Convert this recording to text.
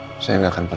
ini sudah fugit